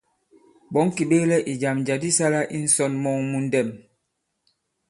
Ɓɔ̌ŋ kì ɓeklɛ ì jàm jǎ di sālā i ǹsɔ̀n mɔŋ mu ndɛ̄m.